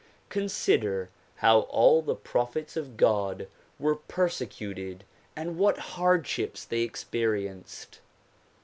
Consider how all the prophets of God were pei secuted and what hardships they experienced.